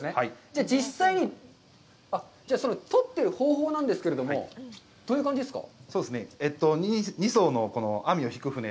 じゃあ、実際にその取ってる方法なんですけれども、どういう感じですか？